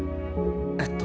えっと。